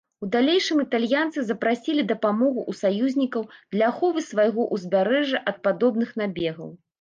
У далейшым італьянцы запрасілі дапамогу ў саюзнікаў для аховы свайго ўзбярэжжа ад падобных набегаў.